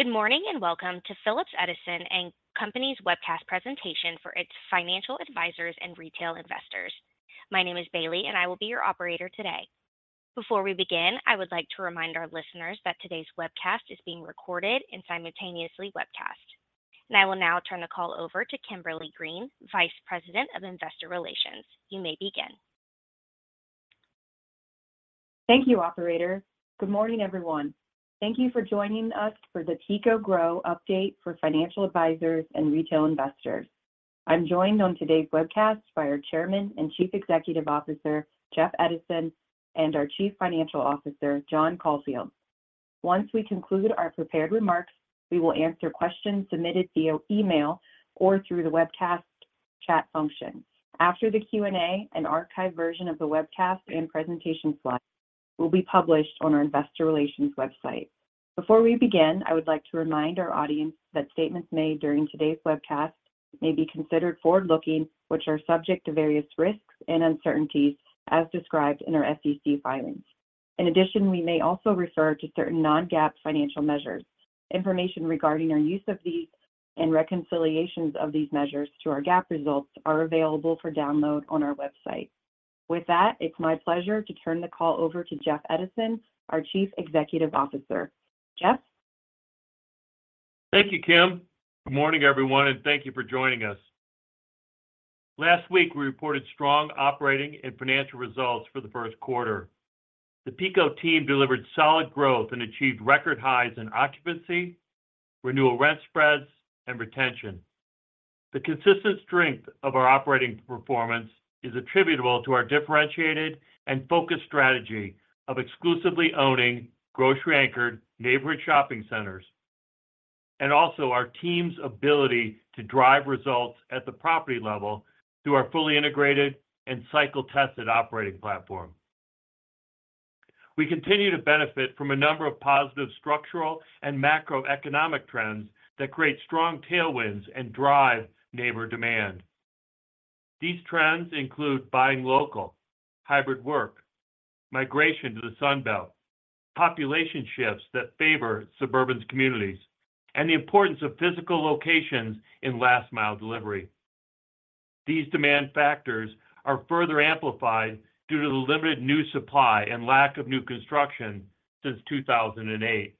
Good morning, and welcome to Phillips Edison & Company's webcast presentation for its financial advisors and retail investors. My name is Bailey, and I will be your operator today. Before we begin, I would like to remind our listeners that today's webcast is being recorded and simultaneously webcast. I will now turn the call over to Kimberly Green, Vice President of Investor Relations. You may begin. Thank you, Operator. Good morning, everyone. Thank you for joining us for the PECO GROW update for financial advisors and retail investors. I'm joined on today's webcast by our Chairman and Chief Executive Officer, Jeff Edison, and our Chief Financial Officer, John Caulfield. Once we conclude our prepared remarks, we will answer questions submitted via email or through the webcast chat function. After the Q&A, an archived version of the webcast and presentation slides will be published on our investor relations website. Before we begin, I would like to remind our audience that statements made during today's webcast may be considered forward-looking, which are subject to various risks and uncertainties as described in our SEC filings. In addition, we may also refer to certain non-GAAP financial measures. Information regarding our use of these and reconciliations of these measures to our GAAP results are available for download on our website. With that, it's my pleasure to turn the call over to Jeff Edison, our Chief Executive Officer. Jeff? Thank you, Kim. Good morning, everyone, and thank you for joining us. Last week, we reported strong operating and financial results for the first quarter. The PECO team delivered solid growth and achieved record highs in occupancy, renewal rent spreads, and retention. The consistent strength of our operating performance is attributable to our differentiated and focused strategy of exclusively owning grocery-anchored neighborhood shopping centers, and also our team's ability to drive results at the property level through our fully integrated and cycle-tested operating platform. We continue to benefit from a number of positive structural and macroeconomic trends that create strong tailwinds and drive neighbor demand. These trends include buying local, hybrid work, migration to the Sun Belt, population shifts that favor suburban communities, and the importance of physical locations in last mile delivery. These demand factors are further amplified due to the limited new supply and lack of new construction since 2008.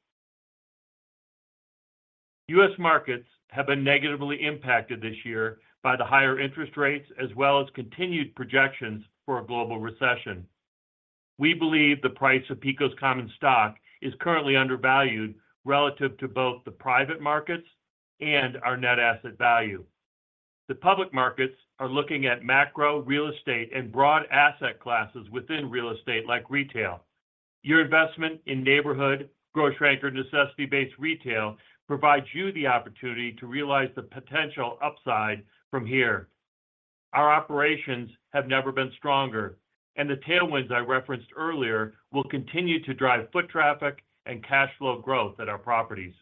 U.S. markets have been negatively impacted this year by the higher interest rates as well as continued projections for a global recession. We believe the price of PECO's common stock is currently undervalued relative to both the private markets and our net asset value. The public markets are looking at macro real estate and broad asset classes within real estate like retail. Your investment in neighborhood grocery-anchored necessity-based retail provides you the opportunity to realize the potential upside from here. Our operations have never been stronger, and the tailwinds I referenced earlier will continue to drive foot traffic and cash flow growth at our properties.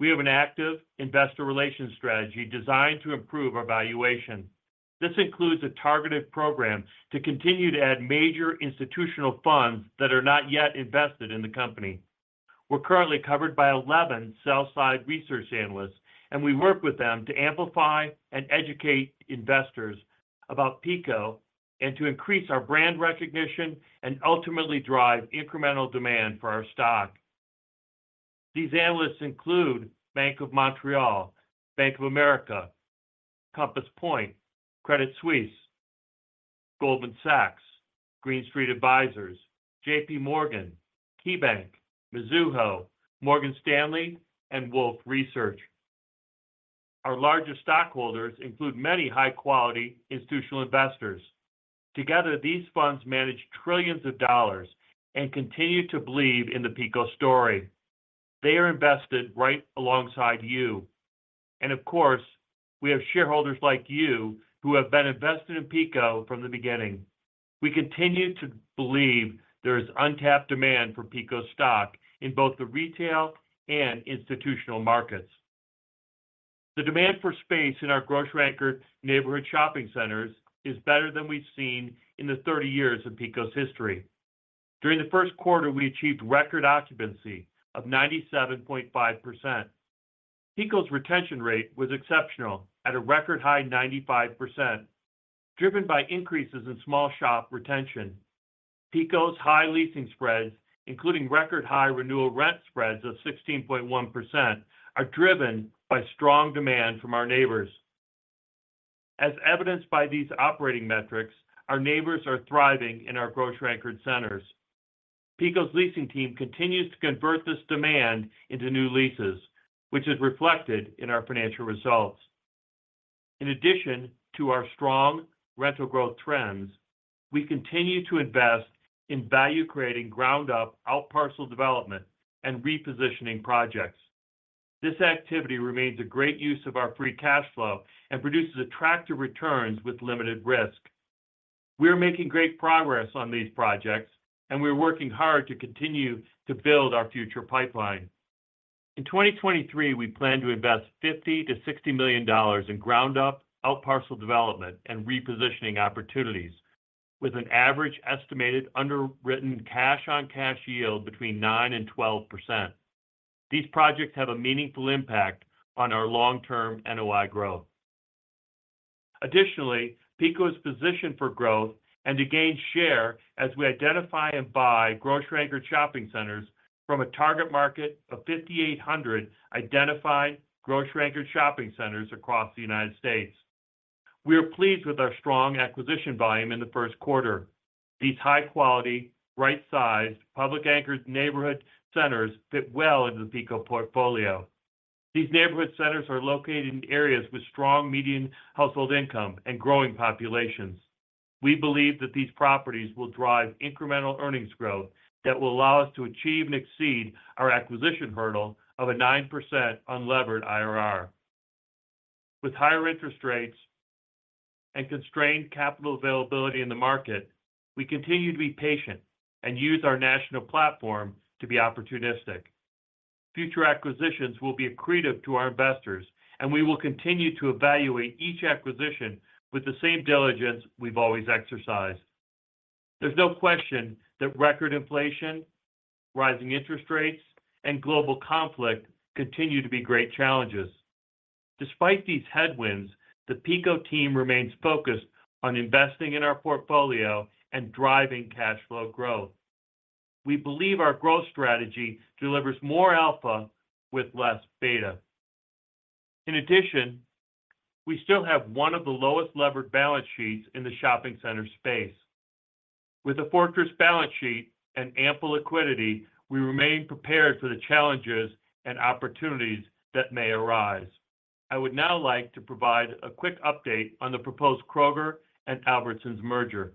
We have an active investor relations strategy designed to improve our valuation. This includes a targeted program to continue to add major institutional funds that are not yet invested in the company. We're currently covered by 11 sell-side research analysts. We work with them to amplify and educate investors about PECO and to increase our brand recognition and ultimately drive incremental demand for our stock. These analysts include Bank of Montreal, Bank of America, Compass Point, Credit Suisse, Goldman Sachs, Green Street Advisors, J.P. Morgan, KeyBank, Mizuho, Morgan Stanley, and Wolfe Research. Our largest stockholders include many high-quality institutional investors. Together, these funds manage trillions of dollars and continue to believe in the PECO story. They are invested right alongside you. Of course, we have shareholders like you who have been invested in PECO from the beginning. We continue to believe there is untapped demand for PECO stock in both the retail and institutional markets. The demand for space in our grocery-anchored neighborhood shopping centers is better than we've seen in the 30 years of PECO's history. During the first quarter, we achieved record occupancy of 97.5%. PECO's retention rate was exceptional at a record high 95%, driven by increases in small shop retention. PECO's high leasing spreads, including record high renewal rent spreads of 16.1%, are driven by strong demand from our neighbors. As evidenced by these operating metrics, our neighbors are thriving in our grocery-anchored centers. PECO's leasing team continues to convert this demand into new leases, which is reflected in our financial results. In addition to our strong rental growth trends, we continue to invest in value-creating ground-up outparcel development and repositioning projects. This activity remains a great use of our free cash flow and produces attractive returns with limited risk. We're making great progress on these projects, and we're working hard to continue to build our future pipeline. In 2023, we plan to invest $50 million-$60 million in ground-up outparcel development and repositioning opportunities. With an average estimated underwritten cash on cash yield between 9% and 12%. These projects have a meaningful impact on our long term NOI growth. Additionally, PECO is positioned for growth and to gain share as we identify and buy grocery anchored shopping centers from a target market of 5,800 identified grocery anchored shopping centers across the United States. We are pleased with our strong acquisition volume in the first quarter. These high quality, right sized Publix anchored neighborhood centers fit well into the PECO portfolio. These neighborhood centers are located in areas with strong median household income and growing populations. We believe that these properties will drive incremental earnings growth that will allow us to achieve and exceed our acquisition hurdle of a 9% unlevered IRR. With higher interest rates and constrained capital availability in the market, we continue to be patient and use our national platform to be opportunistic. Future acquisitions will be accretive to our investors, and we will continue to evaluate each acquisition with the same diligence we've always exercised. There's no question that record inflation, rising interest rates, and global conflict continue to be great challenges. Despite these headwinds, the PECO team remains focused on investing in our portfolio and driving cash flow growth. We believe our growth strategy delivers more alpha with less beta. In addition, we still have one of the lowest levered balance sheets in the shopping center space. With a fortress balance sheet and ample liquidity, we remain prepared for the challenges and opportunities that may arise. I would now like to provide a quick update on the proposed Kroger and Albertsons merger.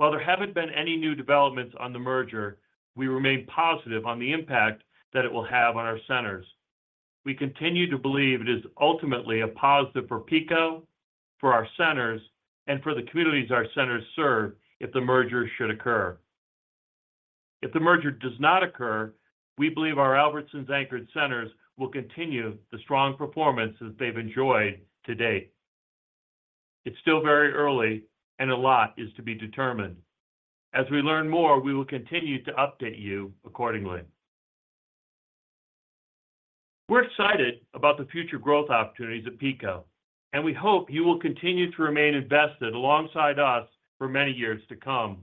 While there haven't been any new developments on the merger, we remain positive on the impact that it will have on our centers. We continue to believe it is ultimately a positive for PECO, for our centers, and for the communities our centers serve if the merger should occur. If the merger does not occur, we believe our Albertsons anchored centers will continue the strong performance that they've enjoyed to date. It's still very early and a lot is to be determined. As we learn more, we will continue to update you accordingly. We're excited about the future growth opportunities at PECO. We hope you will continue to remain invested alongside us for many years to come.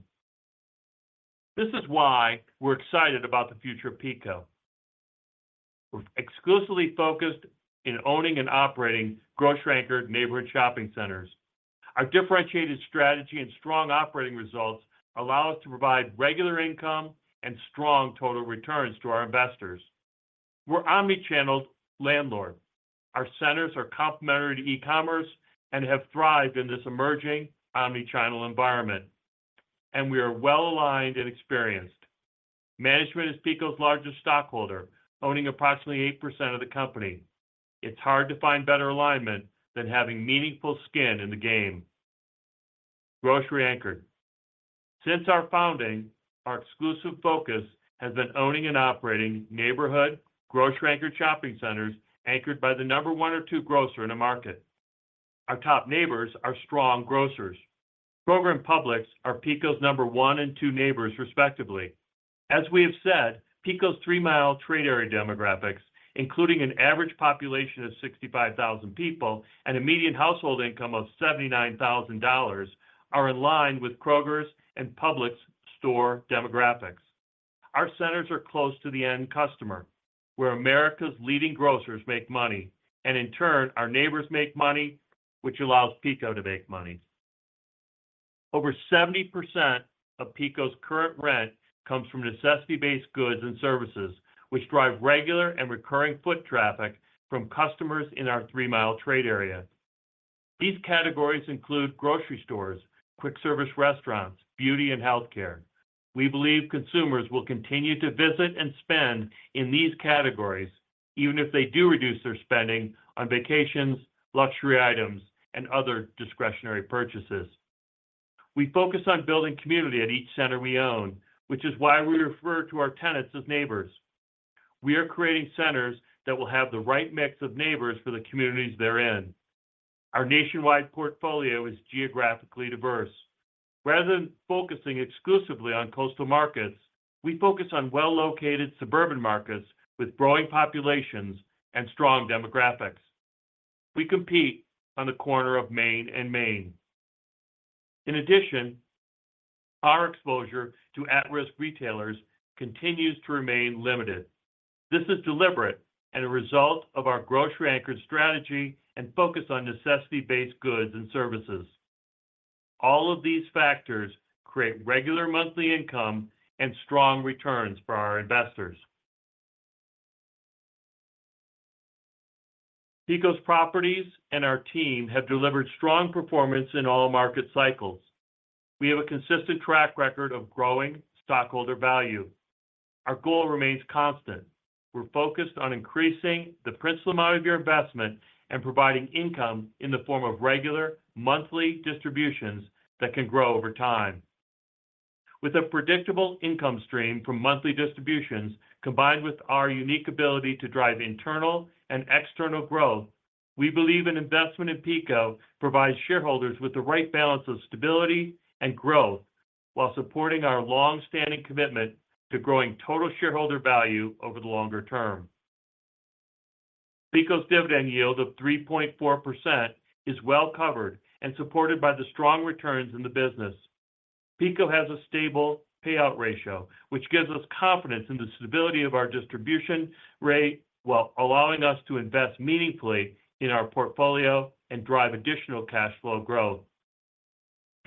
This is why we're excited about the future of PECO. We're exclusively focused in owning and operating grocery-anchored neighborhood shopping centers. Our differentiated strategy and strong operating results allow us to provide regular income and strong total returns to our investors. We're omni-channel landlord. Our centers are complementary to e-commerce and have thrived in this emerging omnichannel environment. We are well aligned and experienced. Management is PECO's largest stockholder, owning approximately 8% of the company. It's hard to find better alignment than having meaningful skin in the game. Grocery-anchored. Since our founding, our exclusive focus has been owning and operating neighborhood grocery-anchored shopping centers anchored by the number one or two grocer in a market. Our top neighbors are strong grocers. Kroger and Publix are PECO's number one and two neighbors respectively. As we have said, PECO's three-mile trade area demographics, including an average population of 65,000 people and a median household income of $79,000 are in line with Kroger's and Publix store demographics. Our centers are close to the end customer where America's leading grocers make money and in turn our neighbors make money, which allows PECO to make money. Over 70% of PECO's current rent comes from necessity-based goods and services, which drive regular and recurring foot traffic from customers in our three-mile trade area. These categories include grocery stores, quick service restaurants, beauty, and healthcare. We believe consumers will continue to visit and spend in these categories even if they do reduce their spending on vacations, luxury items, and other discretionary purchases. We focus on building community at each center we own, which is why we refer to our tenants as neighbors. We are creating centers that will have the right mix of neighbors for the communities they're in. Our nationwide portfolio is geographically diverse. Rather than focusing exclusively on coastal markets, we focus on well-located suburban markets with growing populations and strong demographics. We compete on the corner of Main and Main. In addition, our exposure to at-risk retailers continues to remain limited. This is deliberate and a result of our grocery-anchored strategy and focus on necessity-based goods and services. All of these factors create regular monthly income and strong returns for our investors. PECO's properties and our team have delivered strong performance in all market cycles. We have a consistent track record of growing stockholder value. Our goal remains constant. We're focused on increasing the principal amount of your investment and providing income in the form of regular monthly distributions that can grow over time. With a predictable income stream from monthly distributions, combined with our unique ability to drive internal and external growth, we believe an investment in PECO provides shareholders with the right balance of stability and growth while supporting our long-standing commitment to growing total shareholder value over the longer term. PECO's dividend yield of 3.4% is well-covered and supported by the strong returns in the business. PECO has a stable payout ratio, which gives us confidence in the stability of our distribution rate while allowing us to invest meaningfully in our portfolio and drive additional cash flow growth.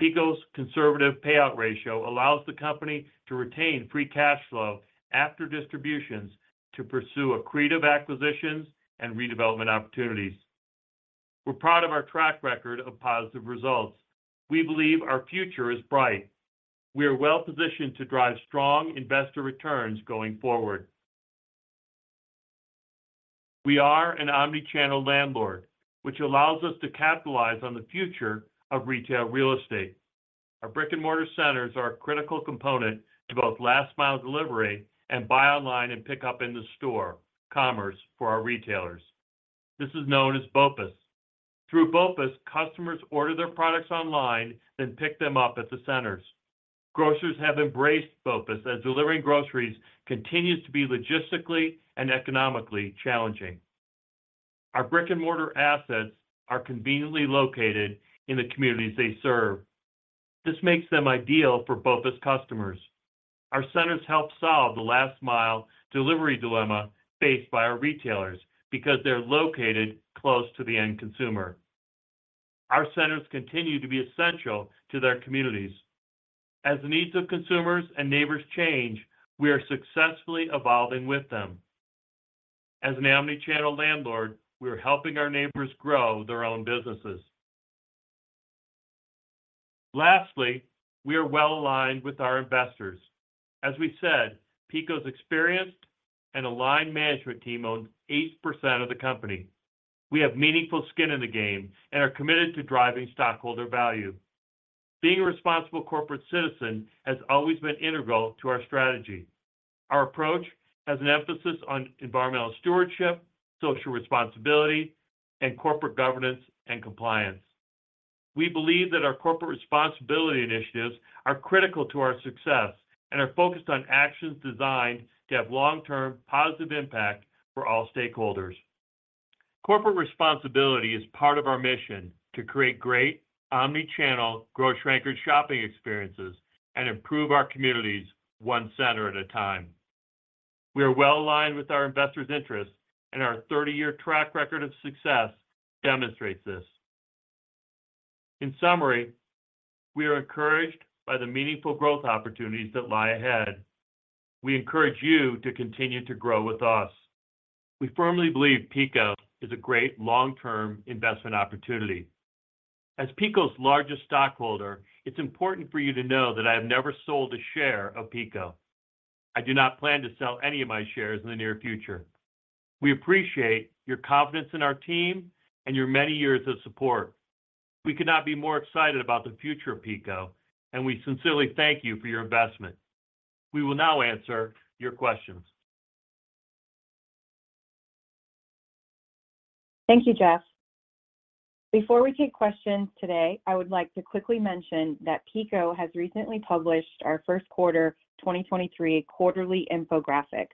PECO's conservative payout ratio allows the company to retain free cash flow after distributions to pursue accretive acquisitions and redevelopment opportunities. We're proud of our track record of positive results. We believe our future is bright. We are well-positioned to drive strong investor returns going forward. We are an omni-channel landlord, which allows us to capitalize on the future of retail real estate. Our brick-and-mortar centers are a critical component to both last mile delivery and buy online and pick up in the store commerce for our retailers. This is known as BOPUS. Through BOPUS, customers order their products online, then pick them up at the centers. Grocers have embraced BOPUS as delivering groceries continues to be logistically and economically challenging. Our brick-and-mortar assets are conveniently located in the communities they serve. This makes them ideal for BOPUS customers. Our centers help solve the last mile delivery dilemma faced by our retailers because they're located close to the end consumer. Our centers continue to be essential to their communities. As the needs of consumers and neighbors change, we are successfully evolving with them. As an omni-channel landlord, we're helping our neighbors grow their own businesses. Lastly, we are well-aligned with our investors. As we said, PECO's experienced an aligned management team owns 8% of the company. We have meaningful skin in the game and are committed to driving stockholder value. Being a responsible corporate citizen has always been integral to our strategy. Our approach has an emphasis on environmental stewardship, social responsibility, and corporate governance and compliance. We believe that our corporate responsibility initiatives are critical to our success and are focused on actions designed to have long-term positive impact for all stakeholders. Corporate responsibility is part of our mission to create great omni-channel grocery-anchored shopping experiences and improve our communities one center at a time. We are well-aligned with our investors' interests, and our 30-year track record of success demonstrates this. In summary, we are encouraged by the meaningful growth opportunities that lie ahead. We encourage you to continue to grow with us. We firmly believe PECO is a great long-term investment opportunity. As PECO's largest stockholder, it's important for you to know that I have never sold a share of PECO. I do not plan to sell any of my shares in the near future. We appreciate your confidence in our team and your many years of support. We could not be more excited about the future of PECO, and we sincerely thank you for your investment. We will now answer your questions. Thank you, Jeff. Before we take questions today, I would like to quickly mention that PECO has recently published our first quarter 2023 quarterly infographic,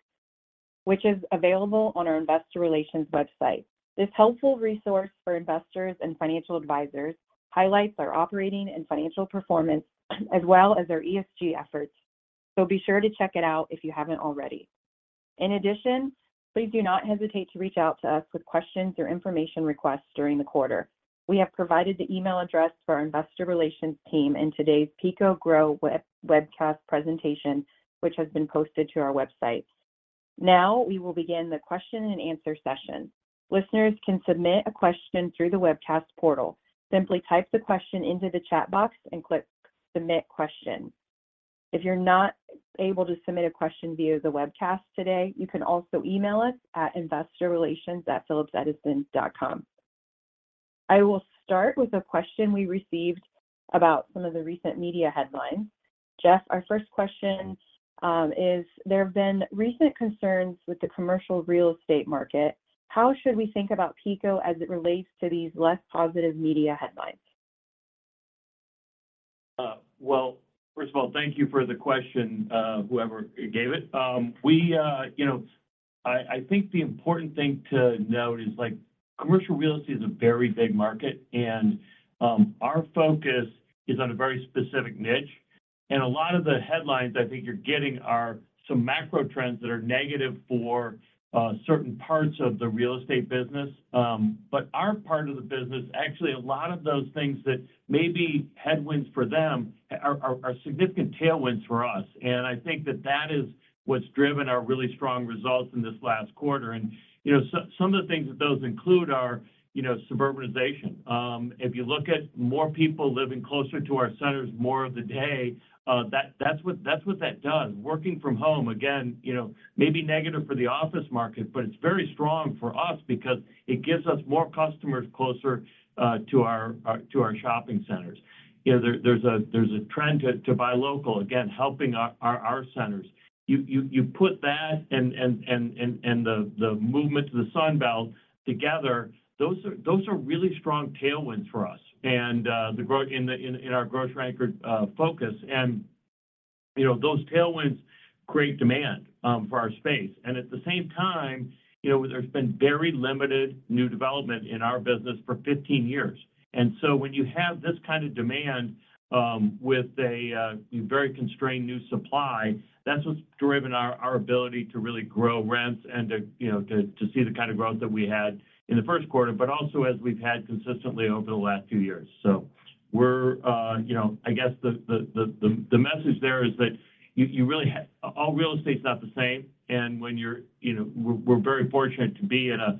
which is available on our investor relations website. This helpful resource for investors and financial advisors highlights our operating and financial performance as well as our ESG efforts, so be sure to check it out if you haven't already. In addition, please do not hesitate to reach out to us with questions or information requests during the quarter. We have provided the email address for our investor relations team in today's PECO GROW webcast presentation, which has been posted to our website. Now we will begin the question and answer session. Listeners can submit a question through the webcast portal. Simply type the question into the chat box and click Submit Question. If you're not able to submit a question via the webcast today, you can also email us at InvestorRelations@phillipsedison.com. I will start with a question we received about some of the recent media headlines. Jeff, our first question, is there have been recent concerns with the commercial real estate market. How should we think about PECO as it relates to these less positive media headlines? Well, first of all, thank you for the question, whoever gave it. We, you know, I think the important thing to note is, like, commercial real estate is a very big market, and our focus is on a very specific niche. A lot of the headlines I think you're getting are some macro trends that are negative for certain parts of the real estate business. But our part of the business, actually a lot of those things that may be headwinds for them are significant tailwinds for us. I think that that is what's driven our really strong results in this last quarter. Some of the things that those include are, you know, suburbanization. If you look at more people living closer to our centers more of the day, that's what that does. Working from home, again, you know, maybe negative for the office market, but it's very strong for us because it gives us more customers closer to our shopping centers. You know, there's a trend to buy local, again, helping our centers. You put that and the movement to the Sun Belt together, those are really strong tailwinds for us and in our grocery-anchored focus. You know, those tailwinds create demand for our space. At the same time, you know, there's been very limited new development in our business for 15 years. When you have this kind of demand, with a very constrained new supply, that's what's driven our ability to really grow rents and to, you know, to see the kind of growth that we had in the first quarter, but also as we've had consistently over the last two years. We're, you know... I guess the message there is that you really all real estate's not the same and when you're, you know... We're, we're very fortunate to be in a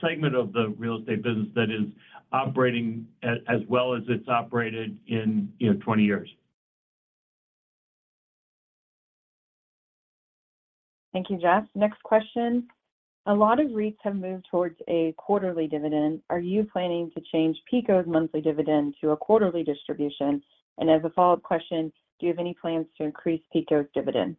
segment of the real estate business that is operating as well as it's operated in, you know, 20 years. Thank you, Jeff. Next question. A lot of REITs have moved towards a quarterly dividend. Are you planning to change PECO's monthly dividend to a quarterly distribution? As a follow-up question, do you have any plans to increase PECO's dividend?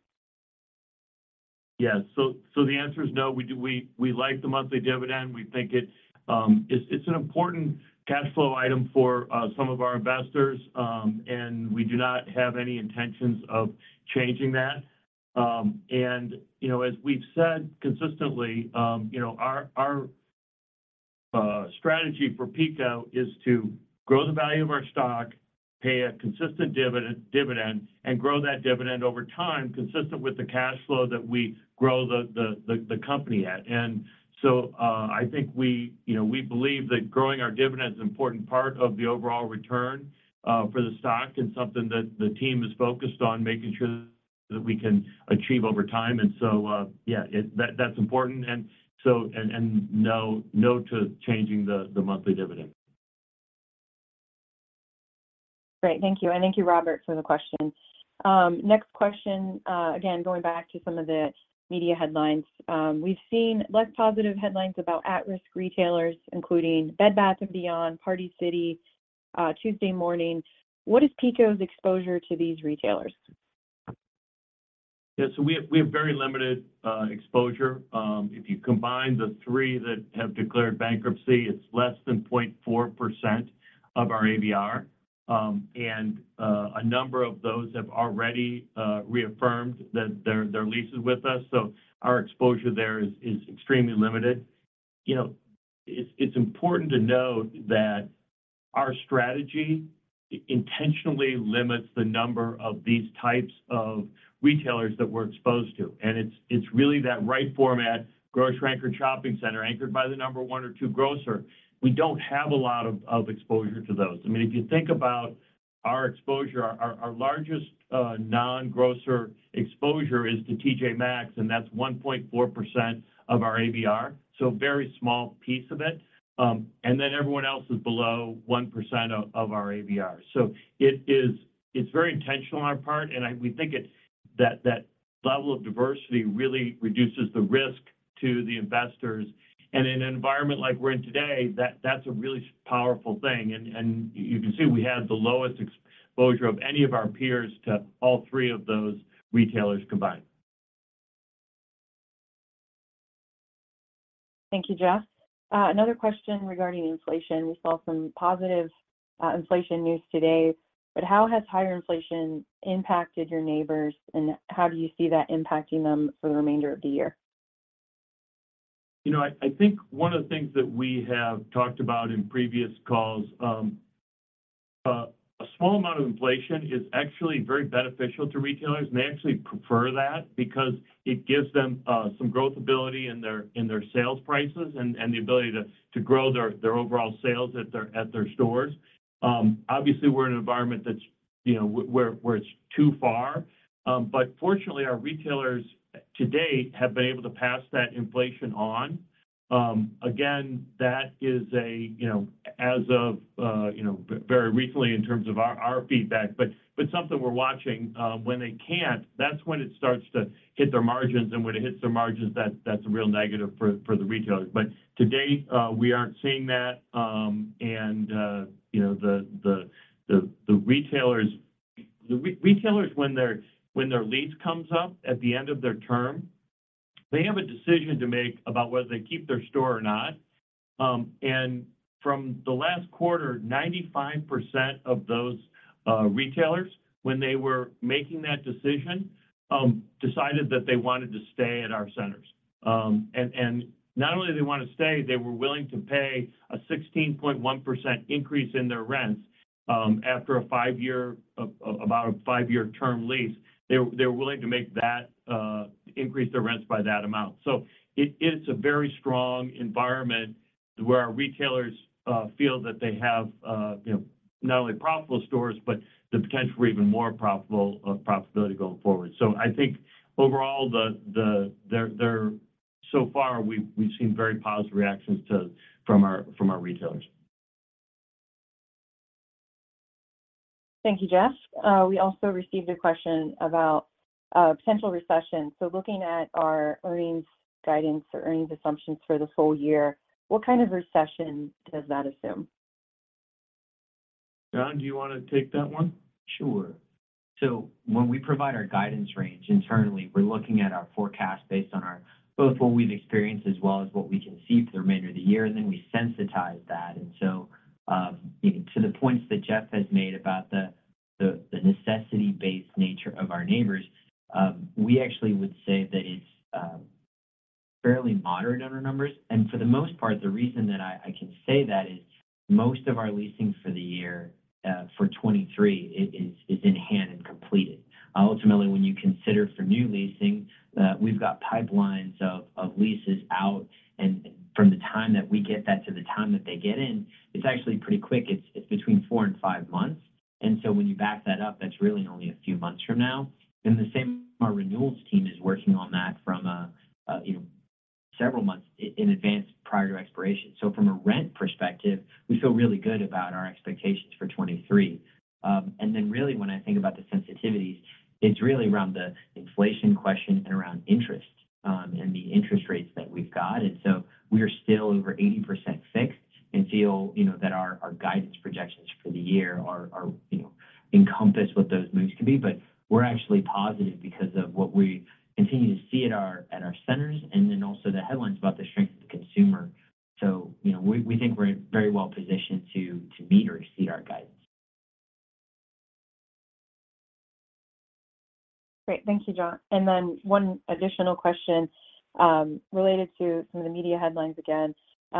The answer is no, we like the monthly dividend. We think it's an important cash flow item for some of our investors, and we do not have any intentions of changing that. You know, as we've said consistently, you know, our strategy for PECO is to grow the value of our stock, pay a consistent dividend, and grow that dividend over time consistent with the cash flow that we grow the company at. I think we, you know, we believe that growing our dividend is an important part of the overall return for the stock and something that the team is focused on making sure that we can achieve over time. That's important No to changing the monthly dividend. Great. Thank you. Thank you, Robert, for the question. Next question. Again, going back to some of the media headlines. We've seen less positive headlines about at-risk retailers, including Bed Bath & Beyond, Party City, Tuesday Morning. What is PECO's exposure to these retailers? Yeah. We have very limited exposure. If you combine the three that have declared bankruptcy, it's less than 0.4% of our ABR. A number of those have already reaffirmed that their lease is with us, so our exposure there is extremely limited. You know, it's important to note that our strategy intentionally limits the number of these types of retailers that we're exposed to, and it's really that right format, grocery-anchored shopping center anchored by the number one or two grocer. We don't have a lot of exposure to those. I mean, if you think about our exposure, our largest non-grocer exposure is to T.J. Maxx, and that's 1.4% of our ABR, so a very small piece of it. Everyone else is below 1% of our ABR. It's very intentional on our part. We think that level of diversity really reduces the risk to the investors. In an environment like we're in today, that's a really powerful thing. You can see we have the lowest exposure of any of our peers to all three of those retailers combined. Thank you, Jeff. Another question regarding inflation. We saw some positive, inflation news today, but how has higher inflation impacted your neighbors, and how do you see that impacting them for the remainder of the year? You know, I think one of the things that we have talked about in previous calls, a small amount of inflation is actually very beneficial to retailers, and they actually prefer that because it gives them, some growth ability in their, in their sales prices and the ability to grow their overall sales at their, at their stores. Obviously, we're in an environment that's, you know, where it's too far. Fortunately, our retailers to date have been able to pass that inflation on. Again, that is a, you know, as of, you know, very recently in terms of our feedback, but something we're watching. When they can't, that's when it starts to hit their margins, and when it hits their margins, that's a real negative for the retailers. To date, we aren't seeing that. You know, the retailers, when their lease comes up at the end of their term, they have a decision to make about whether they keep their store or not. From the last quarter, 95% of those retailers, when they were making that decision, decided that they wanted to stay at our centers. Not only they wanna stay, they were willing to pay a 16.1% increase in their rents, after about a five-year term lease. They're willing to make that increase their rents by that amount. It is a very strong environment where our retailers feel that they have, you know, not only profitable stores, but the potential for even more profitable profitability going forward. I think overall, there so far, we've seen very positive reactions from our retailers. Thank you, Jeff. We also received a question about potential recession. Looking at our earnings guidance or earnings assumptions for this whole year, what kind of recession does that assume? John, do you wanna take that one? Sure. When we provide our guidance range internally, we're looking at our forecast based on both what we've experienced as well as what we can see through the remainder of the year, and then we sensitize that. You know, to the points that Jeff has made about the necessity-based nature of our neighbors, we actually would say that it's fairly moderate on our numbers. For the most part, the reason that I can say that is most of our leasing for the year, for 2023 is in hand and completed. Ultimately, when you consider for new leasing, we've got pipelines of leases out, and from the time that we get that to the time that they get in, it's actually pretty quick. It's between four and five months. When you back that up, that's really only a few months from now. The same, our renewals team is working on that from you know, several months in advance prior to expiration. From a rent perspective, we feel really good about our expectations for 2023. Then really when I think about the sensitivities, it's really around the inflation question and around interest and the interest rates that we've got. We are still over 80% fixed and feel, you know, that our guidance projections for the year are, you know, encompass what those moves could be. We're actually positive because of what we continue to see at our centers and then also the headlines about the strength of the consumer. you know, we think we're very well positioned to meet or exceed our guidance. Great. Thank you, John. One additional question, related to some of the media headlines again.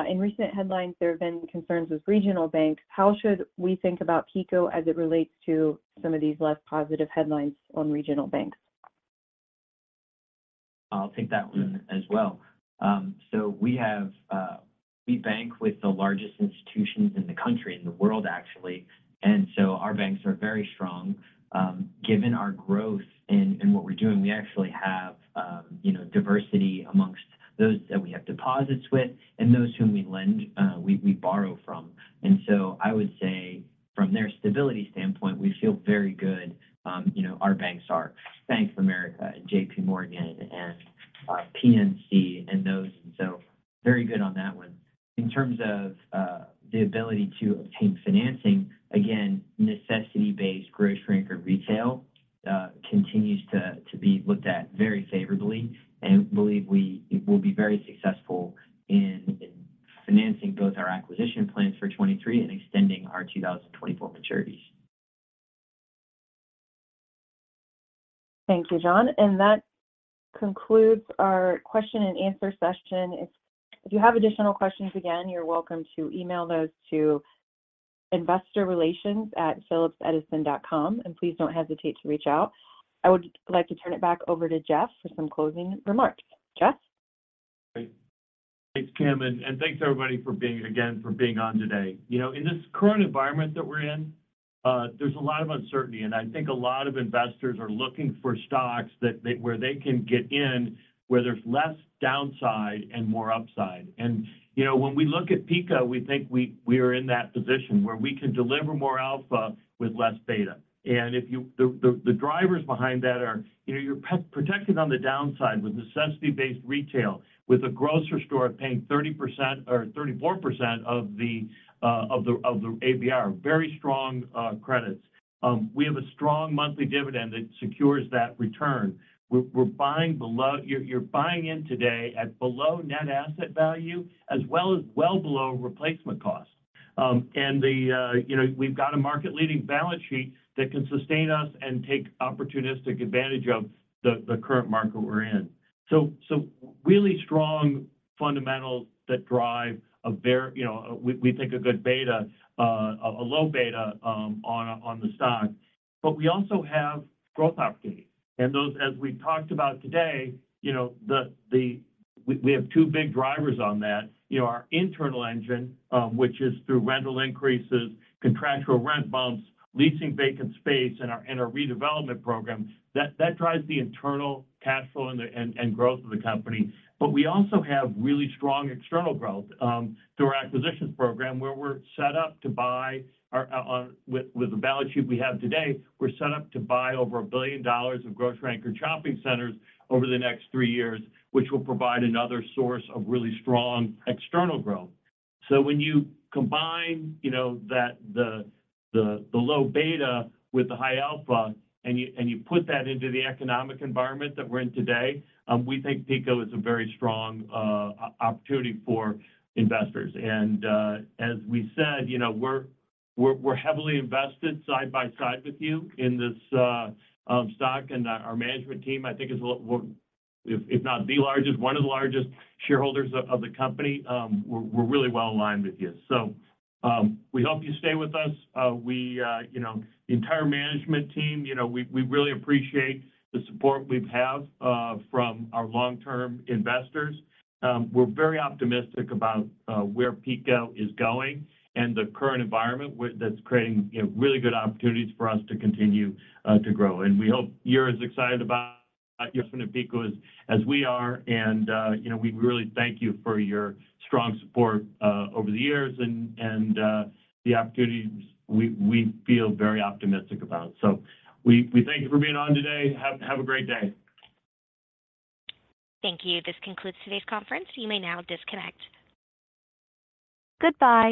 In recent headlines, there have been concerns with regional banks. How should we think about PECO as it relates to some of these less positive headlines on regional banks? I'll take that one as well. So we have, we bank with the largest institutions in the country, in the world, actually, our banks are very strong. Given our growth in what we're doing, we actually have, you know, diversity amongst those that we have deposits with and those whom we lend, we borrow from. I would say from their stability standpoint, we feel very good, you know, our banks are Bank of America and J.P. Morgan and PNC and those, so very good on that one. In terms of the ability to obtain financing, again, necessity-based grocery-anchored retail continues to be looked at very favorably. Believe we will be very successful in financing both our acquisition plans for 2023 and extending our 2024 maturities. Thank you, John. That concludes our question and answer session. If you have additional questions, again, you're welcome to email those to InvestorRelations@phillipsedison.com, and please don't hesitate to reach out. I would like to turn it back over to Jeff for some closing remarks. Jeff? Great. Thanks, Kim, and thanks everybody for being on today. You know, in this current environment that we're in, there's a lot of uncertainty, and I think a lot of investors are looking for stocks where they can get in, where there's less downside and more upside. You know, when we look at PECO, we think we are in that position where we can deliver more alpha with less beta. The drivers behind that are, you know, you're pro-protected on the downside with necessity-based retail, with a grocery store paying 30% or 34% of the ABR, very strong credits. We have a strong monthly dividend that secures that return. You're buying in today at below net asset value as well as well below replacement cost. you know, we've got a market leading balance sheet that can sustain us and take opportunistic advantage of the current market we're in. really strong fundamentals that drive a very, you know, we think a good beta, a low beta on the stock. We also have growth opportunities. Those, as we've talked about today, you know, we have two big drivers on that. You know, our internal engine, which is through rental increases, contractual rent bumps, leasing vacant space, and our redevelopment program, that drives the internal cash flow and the growth of the company. We also have really strong external growth through our acquisitions program, where we're set up to buy with the balance sheet we have today, we're set up to buy over $1 billion of grocery-anchored shopping centers over the next three years, which will provide another source of really strong external growth. When you combine, you know, that the low beta with the high alpha and you, and you put that into the economic environment that we're in today, we think PECO is a very strong opportunity for investors. As we said, you know, we're, we're heavily invested side by side with you in this stock, and our management team, I think is if not the largest, one of the largest shareholders of the company. We're really well aligned with you. We hope you stay with us. We, you know, the entire management team, you know, we really appreciate the support we've had from our long-term investors. We're very optimistic about where PECO is going and the current environment that's creating, you know, really good opportunities for us to continue to grow. We hope you're as excited about investing in PECO as we are. You know, we really thank you for your strong support over the years and the opportunities we feel very optimistic about. We thank you for being on today. Have a great day. Thank you. This concludes today's conference. You may now disconnect. Goodbye.